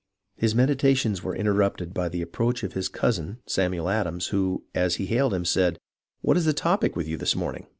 His meditations were interrupted by the approach of his cousin Samuel Adams, who, as he hailed him, said, " What is the topic with you this morning